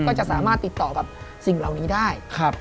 ก็จะสามารถติดต่อกับสิ่งเหล่านี้ได้